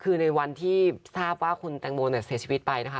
คือในวันที่ทราบว่าคุณแตงโมเสียชีวิตไปนะคะ